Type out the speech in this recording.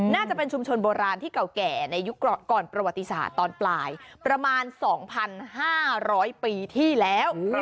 น่าจะเป็นชุมชนโบราณที่เก่าแก่ในยุคก่อนประวัติศาสตร์ตอนปลายประมาณ๒๕๐๐ปีที่แล้ว